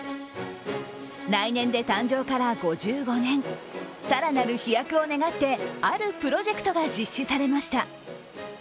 来年で誕生から５５年、更なる飛躍を願ってあるプロジェクトが実施されました。